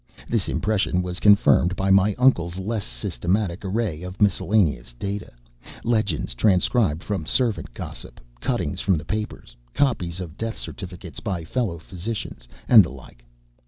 This impression was confirmed by my uncle's less systematic array of miscellaneous data legends transcribed from servant gossip, cuttings from the papers, copies of death certificates by fellow physicians, and the like.